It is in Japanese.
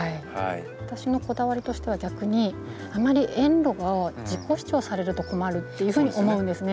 私のこだわりとしては逆にあまり園路が自己主張されると困るっていうふうに思うんですね。